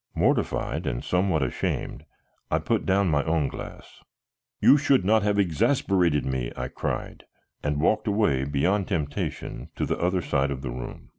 Mortified and somewhat ashamed, I put down my own glass. "You should not have exasperated me," I cried, and walked away beyond temptation, to the other side of the room.